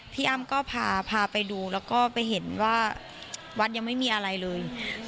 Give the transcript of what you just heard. พี่อ้ำก็พาไปดูแล้วก็ไปเห็นว่าวัดยังไม่มีอะไรเลย